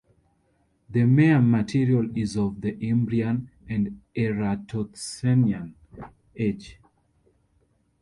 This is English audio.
The mare material is of the Imbrian and Eratosthenian age.